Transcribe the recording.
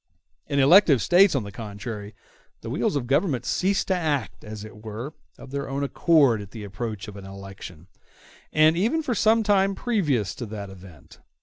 In elective States, on the contrary, the wheels of government cease to act, as it were, of their own accord at the approach of an election, and even for some time previous to that event.